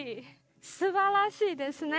すばらしいですね。